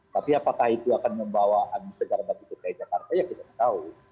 tapi apakah itu akan membawa angin segar bagi dki jakarta ya kita tahu